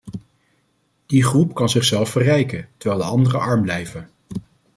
Die groep kan zichzelf verrijken, terwijl de anderen arm blijven.